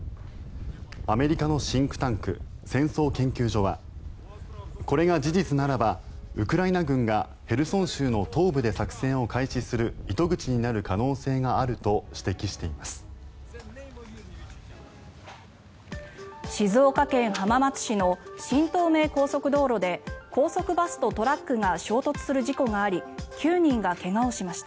アメリカのシンクタンク戦争研究所はこれが事実ならばウクライナ軍がヘルソン州の東部で作戦を開始する糸口になる可能性があると指摘しています。